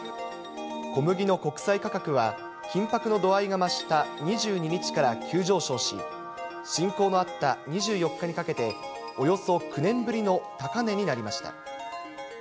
小麦の国際価格は、緊迫の度合いが増した２２日から急上昇し、侵攻のあった２４日にかけて、およそ９年ぶりの高値になりました。